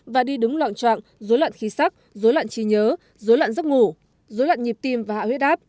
và đi đứng loạn trạng dối loạn khí sắc dối loạn trí nhớ dối loạn giấc ngủ dối loạn nhịp tim và hạ huyết áp